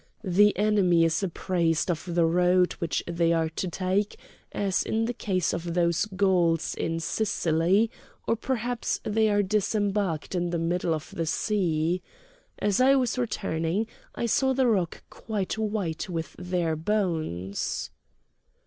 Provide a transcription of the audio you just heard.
The enemy is apprised of the road which they are to take, as in the case of those Gauls in Sicily, or perhaps they are disembarked in the middle of the sea. As I was returning I saw the rock quite white with their bones!"